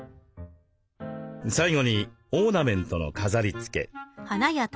最後にオーナメントの飾りつけ。